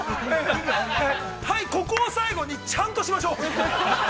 はい、ここを最後に、ちゃんとしましょう。